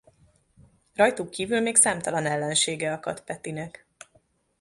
Rajtuk kívül még számtalan ellensége akad Petinek.